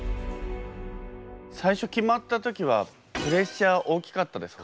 最初決まった時はプレッシャー大きかったですか？